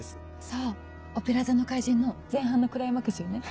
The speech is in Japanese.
そう『オペラ座の怪人』の前半のクライマックスよね。